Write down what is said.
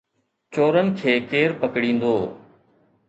چورن کي ڪير پڪڙيندو؟